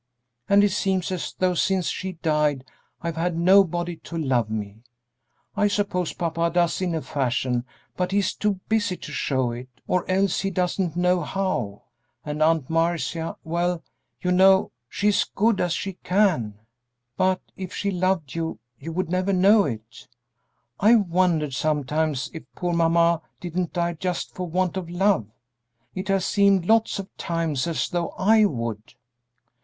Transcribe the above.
And it seems as though since she died I've had nobody to love me. I suppose papa does in a fashion, but he is too busy to show it, or else he doesn't know how; and Aunt Marcia! well, you know she's good as she can be, but if she loved you, you would never know it. I've wondered sometimes if poor mamma didn't die just for want of love; it has seemed lots of times as though I would!"